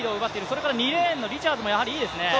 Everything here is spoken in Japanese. それから２レーンのリチャーズもやはりいいですね。